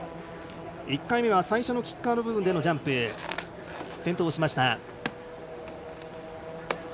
１回目は最初のキッカー部分でのジャンプで転倒しました。